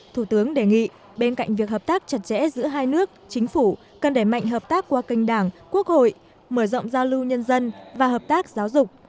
thủ tướng đề nghị bên cạnh việc hợp tác chặt chẽ giữa hai nước chính phủ cần đẩy mạnh hợp tác qua kênh đảng quốc hội mở rộng giao lưu nhân dân và hợp tác giáo dục